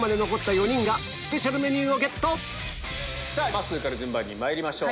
まっすーから順番にまいりましょう。